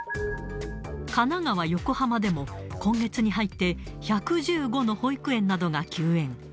神奈川・横浜でも、今月に入って、１１５の保育園などが休園。